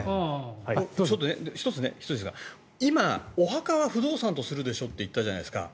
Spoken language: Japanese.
１つ、今お墓は不動産とするでしょって言ったじゃないですか。